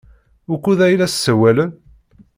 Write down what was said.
Wukud ay la ssawalen?